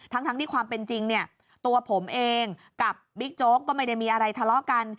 ทั้งที่ความเป็นจริงเนี่ยตัวผมเองกับบิ๊กโจ๊กก็ไม่ได้มีอะไรทะเลาะกัน